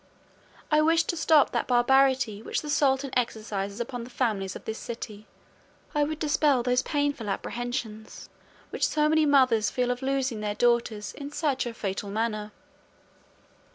I wish to stop that barbarity which the sultan exercises upon the families of this city. I would dispel those painful apprehensions which so many mothers feel of losing their daughters in such a fatal manner."